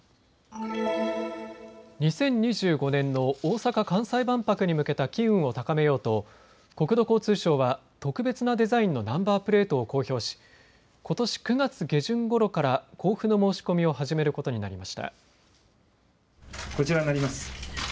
２０２５年の大阪・関西万博に向けた機運を高めようと国土交通省は特別なデザインのナンバープレートを公表しことし９月下旬ごろから交付の申し込みを始めることになりました。